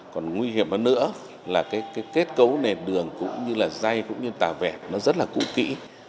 còn nguy hiểm hơn nữa là cái kết cấu nền đường cũng như là dây cũng như tà vẹt nó rất là cụ kỹ